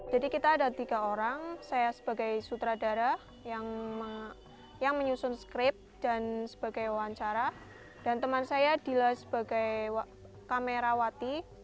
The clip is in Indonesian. jadi kita ada tiga orang saya sebagai sutradara yang menyusun skrip dan sebagai wawancara dan teman saya dila sebagai kamerawati